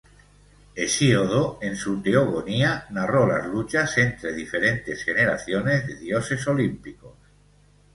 Hesíodo en su Teogonía narró las luchas entre diferentes generaciones de dioses olímpicos.